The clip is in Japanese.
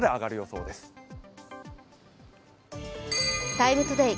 「ＴＩＭＥ，ＴＯＤＡＹ」